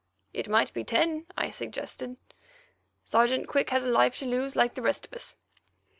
"It might be ten," I suggested. "Sergeant Quick has a life to lose like the rest of us."